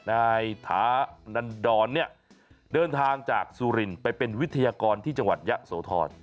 นายถานันดรเนี่ยเดินทางจากสุรินไปเป็นวิทยากรที่จังหวัดยะโสธร